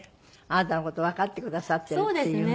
あなたの事わかってくださってるっていうのがね。